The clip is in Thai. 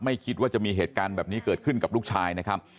คิดว่าจะมีเหตุการณ์แบบนี้เกิดขึ้นกับลูกชายนะครับ